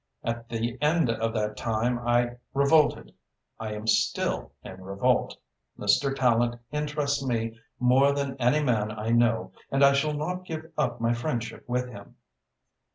At the end of that time I revolted. I am still in revolt. Mr. Tallente interests me more than any man I know and I shall not give up my friendship with him."